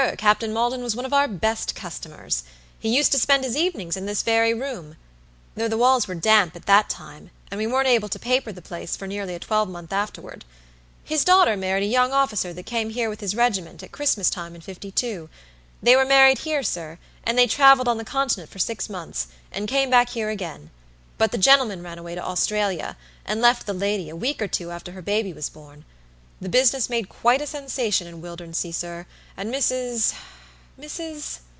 Captain Maldon was one of our best customers. He used to spend his evenings in this very room, though the walls were damp at that time, and we weren't able to paper the place for nearly a twelvemonth afterward. His daughter married a young officer that came here with his regiment, at Christmas time in fifty two. They were married here, sir, and they traveled on the Continent for six months, and came back here again. But the gentleman ran away to Australia, and left the lady, a week or two after her baby was born. The business made quite a sensation in Wildernsea, sir, and Mrs.Mrs.